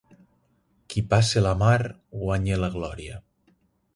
Qui passa la mar guanya la glòria.